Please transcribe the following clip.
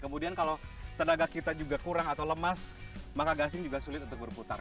kemudian kalau tenaga kita juga kurang atau lemas maka gasing juga sulit untuk berputar